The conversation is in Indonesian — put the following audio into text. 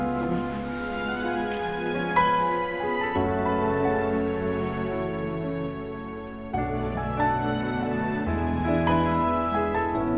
mendingan aku biarin dia sendiri dulu